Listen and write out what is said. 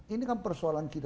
ini kan persoalan kita